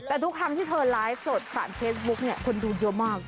แต่ทุกคำที่เธอไลก์สดฝั่งเทสบุ๊คคนดูเยอะมาก